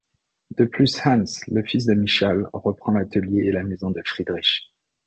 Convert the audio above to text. De plus Hans, le fils de Michael, reprend l'atelier et la maison de Friedrich.